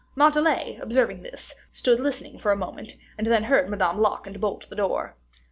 Montalais, observing this, stood listening for a moment, and then heard Madame lock and bolt her door.